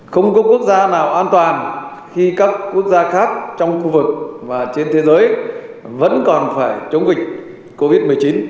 không có quốc gia nào an toàn khi các quốc gia khác trong khu vực và trên thế giới vẫn còn phải chống dịch covid một mươi chín